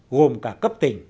gồm cả cấp tỉnh